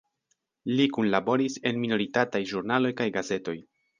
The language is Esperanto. Li kunlaboris en minoritataj ĵurnaloj kaj gazetoj.